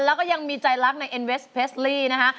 แล้วก็ยังมีใจรักในเอ็นเวสเพสลี่นะคะ